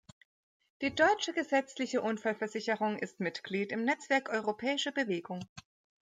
Die Deutsche Gesetzliche Unfallversicherung ist Mitglied im Netzwerk Europäische Bewegung.